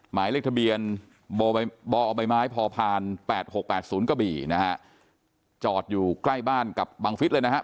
หมายเลขทะเบียนบอใบไม้พอผ่าน๘๖๘๐กะบี่นะฮะจอดอยู่ใกล้บ้านกับบังฟิศเลยนะครับ